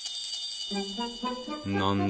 何だ？